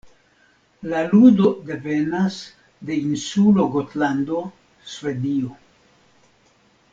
La ludo devenas de insulo Gotlando, Svedio.